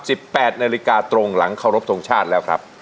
แปดนาฬิกาตรงหลังเคารพทงชาติแล้วครับ